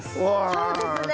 そうですね。